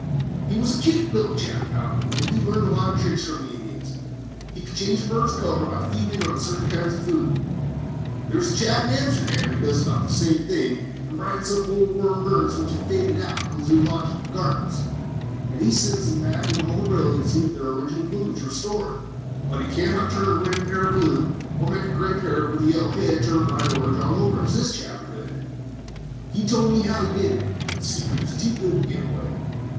"He was a cute little chap, however, and had learned a lot of tricks from the Indians. He could change a bird's color by feeding it on certain kinds of food. There is a chap in Amsterdam who does about the same thing and brightens up old worn birds which have faded out in the Zoölogical Gardens, and sends them back with all the brilliancy of their original plumage restored; but he cannot turn a red parrot blue, or make a gray bird with a yellow head turn to bright orange all over, as this chap could. He told me how he did it, but the secret is too good to give away.